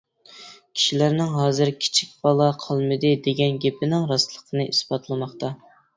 كىشىلەرنىڭ ھازىر كىچىك بالا قالمىدى دېگەن گېپىنىڭ راستلىقىنى ئىسپاتلىماقتا.